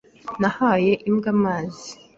Nahaye imbwa amazi.